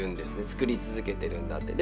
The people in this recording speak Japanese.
作り続けてるんだって。